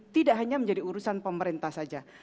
tidak hanya menjadi urusan pemerintah saja